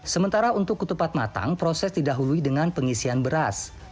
sementara untuk ketupat matang proses didahului dengan pengisian beras